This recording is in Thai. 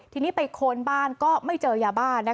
ที่นี่ใกล้โค้นบ้านก็ไม่เจอยาบ้าน